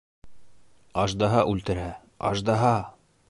Аждаһа үлтерә, аждаһа!